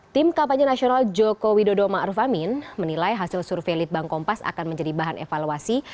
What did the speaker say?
tim kampanye nasional jokowi ma'ruf amin menilai hasil survei litbang kompas akan menjadi bahan evaluasi